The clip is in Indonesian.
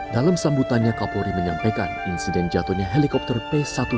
dalam sambutannya kapolri menyampaikan insiden jatuhnya helikopter p seribu satu ratus tiga